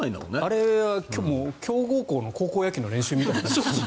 あれは強豪校の高校野球の練習みたいになってる。